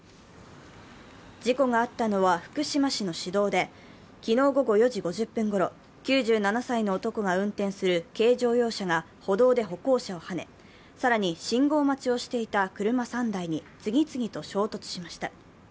事故があったのは福島市の市道で、昨日午後４時５０分ごろ、９７歳の男が運転する軽乗用車が歩道で歩行者をはね、更に信号待ちをしていた車３台に次々と衝突しました。